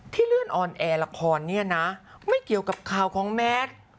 เลื่อนออนแอร์ละครเนี่ยนะไม่เกี่ยวกับข่าวของแมท